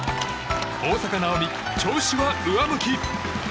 大坂なおみ、調子は上向き。